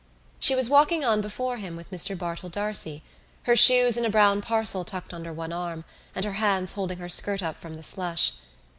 She was walking on before him with Mr Bartell D'Arcy, her shoes in a brown parcel tucked under one arm and her hands holding her skirt up from the slush.